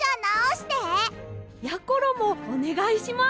やころもおねがいします！